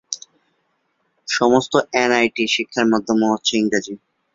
সমস্ত এনআইটি-র শিক্ষার মাধ্যম ইংরেজি।